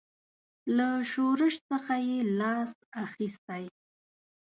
له شورش څخه یې لاس اخیستی.